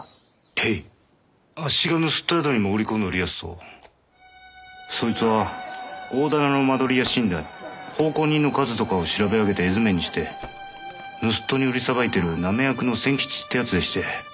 へいあっしが盗人宿に潜り込んでおりやすとそいつは大店の間取りや身代奉公人の数とかを調べ上げて絵図面にして盗人に売りさばいてる嘗め役の仙吉って奴でして。